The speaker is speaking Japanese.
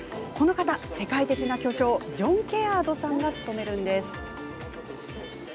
この方、世界的な巨匠ジョン・ケアードさんが務めるんです。